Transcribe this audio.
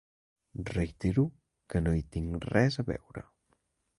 Reitero que no hi tinc res a veure.